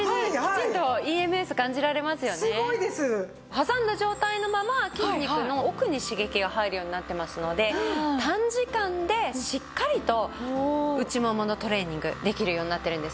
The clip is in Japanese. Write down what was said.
挟んだ状態のまま筋肉の奥に刺激が入るようになってますので短時間でしっかりと内もものトレーニングできるようになっているんですね。